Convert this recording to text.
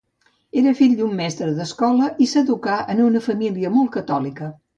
Era fill d'un mestre d'escola i s'educà en una família molt catòlica.